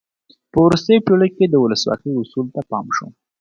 په وروستیو پیړیو کې د ولسواکۍ اصولو ته پام شو.